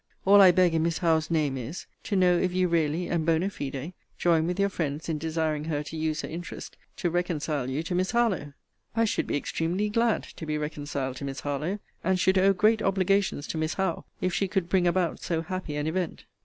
All I beg in Miss Howe's name is, to know if you really and bonâ fide join with your friends in desiring her to use her interest to reconcile you to Miss Harlowe? I should be extremely glad to be reconciled to Miss Harlowe; and should owe great obligations to Miss Howe, if she could bring about so happy an event.